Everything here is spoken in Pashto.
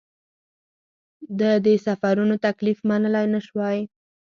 ده د سفرونو تکلیف منلای نه شوای.